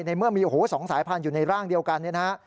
ในเมื่อมี๒สายพันธุ์อยู่ในร่างเดียวกันนะฮะ